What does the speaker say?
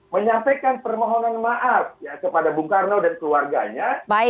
menyampaikan permohonan maaf ya kepada bung karno dan keluarganya